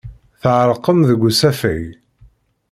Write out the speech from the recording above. Tɛerqem deg usafag.